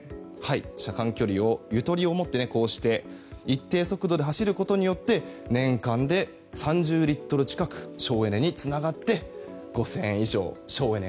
車間距離をゆとりをもって一定速度で走ることで年間で３０リットル近く省エネにつながって５０００円以上、省エネ。